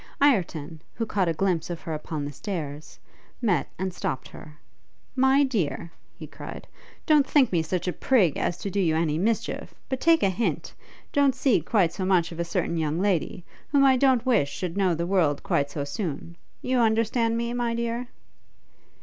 Ireton, who caught a glimpse of her upon the stairs, met and stopt her. 'My dear,' he cried, 'don't think me such a prig as to do you any mischief; but take a hint! Don't see quite so much of a certain young lady, whom I don't wish should know the world quite so soon! You understand me, my dear?'